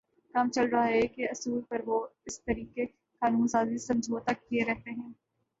کام چل رہا ہے کے اصول پر وہ اس طریقِ قانون سازی سے سمجھوتاکیے رہتے ہیں